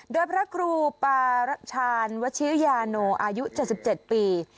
โดยพระครูปารชาญวชิริยาโนอายุ๗๗ปี